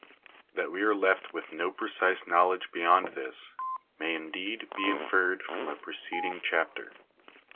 That we are left with no precise knowledge beyond this, may indeed be inferred from a preceding chapter.